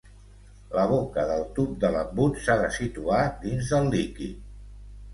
La boca del tub de l'embut s'ha de situar dins del líquid.